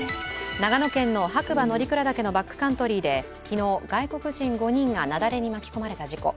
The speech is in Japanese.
長野県の白馬乗鞍岳のバックカントリーで昨日、外国人５人が雪崩に巻き込まれた事故。